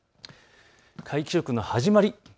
皆既食の始まり